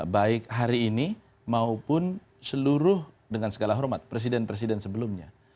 baik hari ini maupun seluruh dengan segala hormat presiden presiden sebelumnya